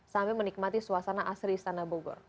sampai menikmati suasana asli istana bogor